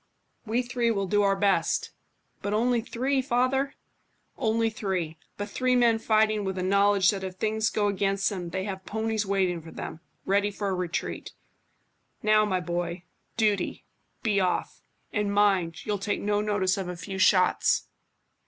"We three will do our best." "But only three, father?" "Only three, but three men fighting with a knowledge that if things go against them they have ponies waiting for them, ready for a retreat. Now, my boy. Duty. Be off. And mind, you'll take no notice of a few shots."